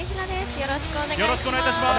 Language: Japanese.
よろしくお願いします。